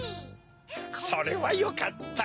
それはよかった。